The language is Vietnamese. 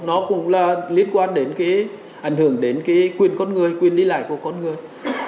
nó cũng là liên quan đến cái ảnh hưởng đến cái quyền con người quyền đi lại của con người